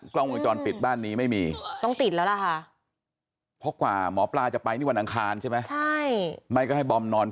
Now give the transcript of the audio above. กล้องวงจรปิดบ้านนี้ไม่มี